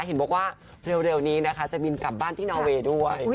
เห็นบอกว่าเร็วนี้นะคะจะบินกลับบ้านที่นอเวย์ด้วย